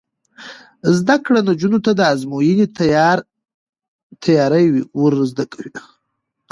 زده کړه نجونو ته د ازموینې تیاری ور زده کوي.